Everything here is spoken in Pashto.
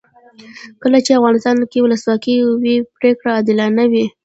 کله چې افغانستان کې ولسواکي وي پرېکړې عادلانه وي.